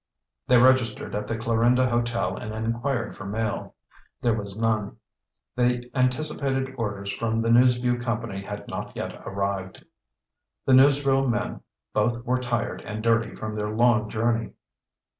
They registered at the Clarinda Hotel and inquired for mail. There was none. The anticipated orders from the News Vue Company had not yet arrived. The newsreel men both were tired and dirty from their long journey.